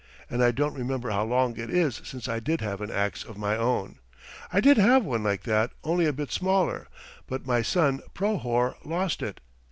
And I don't remember how long it is since I did have an axe of my own. I did have one like that only a bit smaller, but my son Prohor lost it.